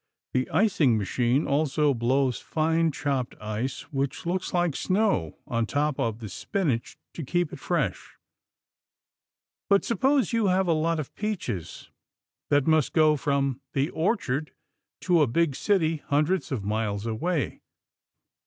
The icing machine also blows fine chopped ice, which looks like snow, on top of the spinach to keep it fresh. But suppose you have a lot of peaches that must go from the orchard to a big city hundreds of miles away.